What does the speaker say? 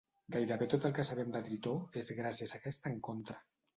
Gairebé tot el que sabem de Tritó és gràcies a aquest encontre.